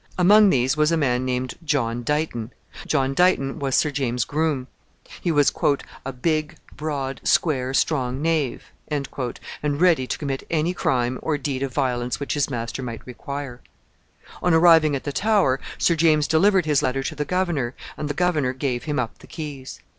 Among these was a man named John Dighton. John Dighton was Sir James's groom. He was "a big, broad, square, strong knave," and ready to commit any crime or deed of violence which his master might require. On arriving at the Tower, Sir James delivered his letter to the governor, and the governor gave him up the keys.